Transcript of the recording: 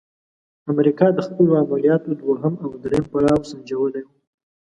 امریکا د خپلو عملیاتو دوهم او دریم پړاو سنجولی وو.